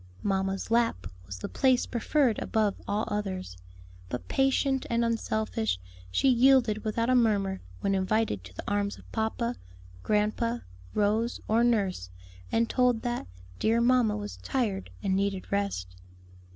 "Mamma's lap" was the place preferred above all others; but patient and unselfish, she yielded without a murmur when invited to the arms of papa, grandpa, Rose, or nurse, and told that "dear mamma was tired and needed rest."